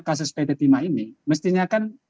kasus pt timah ini mestinya kan